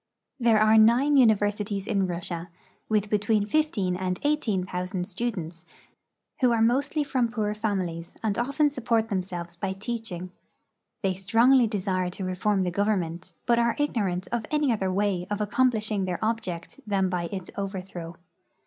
There are nine universities in Russia, with between fifteen and eighteen thousand students, who are mostly from poor families and often support themselves by teaching. They strongly de sire to reform the government, but are ignorant of any other way of accomplishing their object than by its overthrow.